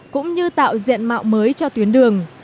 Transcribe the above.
cũng như tạo diện mạo mới cho tuyến đường